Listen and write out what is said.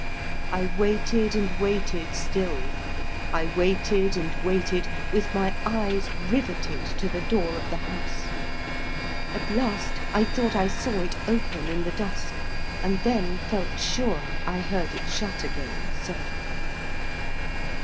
I waited and waited still. I waited and waited, with my eyes riveted to the door of the house. At last I thought I saw it open in the dusk, and then felt sure I heard it shut again softly.